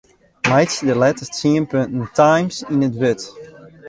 Meitsje de letters tsien punten Times yn it wurd.